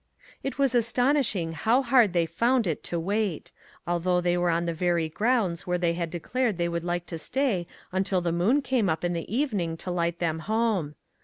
It was astonishing how hard they found it to wait; although they were on the very grounds where they had declared they would like to stay until the moon came up in the even ing to light them home.